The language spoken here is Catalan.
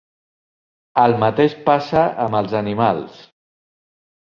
El mateix passa amb els animals.